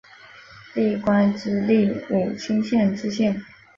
历官直隶武清县知县。